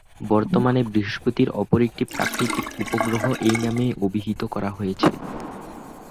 বর্তমানে বৃহস্পতির অপর একটি প্রাকৃতিক উপগ্রহ এই নামে অভিহিত হয়েছে।